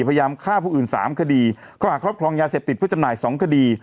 พยายามฆ่าผู้อื่น๓คดีข้อหาครอบครองยาเสพติดเพื่อจำหน่าย๒คดี